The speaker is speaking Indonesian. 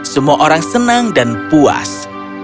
semua orang senang dan puas